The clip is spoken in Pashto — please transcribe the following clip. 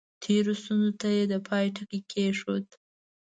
تېرو ستونزو ته یې د پای ټکی کېښود.